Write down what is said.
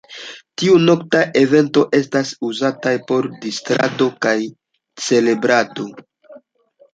Tiuj noktaj eventoj estas uzataj por distrado kaj celebrado.